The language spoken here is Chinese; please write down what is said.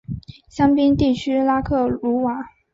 香槟地区拉克鲁瓦。